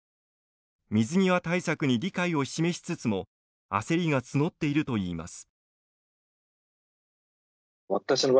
水際対策に理解を示しつつも焦りが募っているといいます。